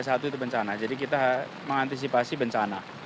siaga tiga itu bencana jadi kita mengantisipasi bencana